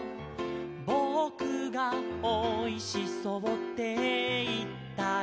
「ぼくがおいしそうっていったら」